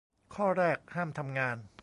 ข้อแรก ห้ามทำงาน